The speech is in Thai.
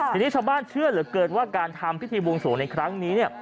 ทีนี้ชาวบ้านเชื่อเหลือเกินว่าการทำพิธีบวงสวงในครั้งนี้เนี่ย